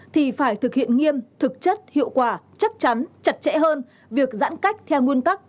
thì phải thực hiện nghiêm thực chất hiệu quả chắc chắn chặt chẽ hơn việc giãn cách theo nguyên tắc